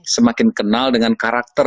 semakin kenal dengan karakter